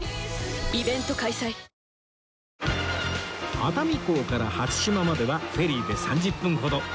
熱海港から初島まではフェリーで３０分ほど